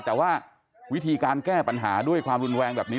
แต่ว่าวิธีการแก้ปัญหาด้วยความรุนแรงแบบนี้